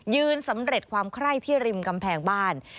สำเร็จความไคร้ที่ริมกำแพงบ้าน